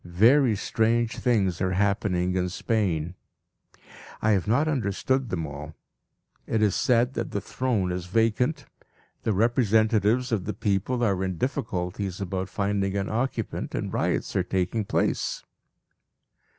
Very strange things are happening in Spain. I have not understood them all. It is said that the throne is vacant, the representatives of the people are in difficulties about finding an occupant, and riots are taking place.